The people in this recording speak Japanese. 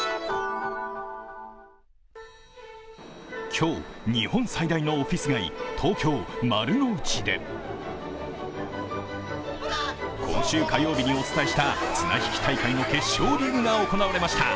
今日、日本最大のオフィス街、東京・丸の内で今週火曜日にお伝えした綱引き大会の決勝リーグが行われました。